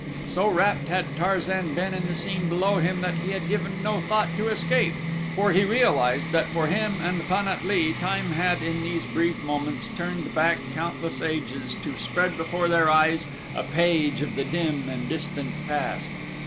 So rapt had Tarzan been in the scene below him that he had given no thought to escape, for he realized that for him and Pan at lee time had in these brief moments turned back countless ages to spread before their eyes a page of the dim and distant past.